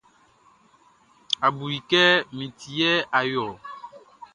A bu i kɛ min ti yɛ a yo ɔ.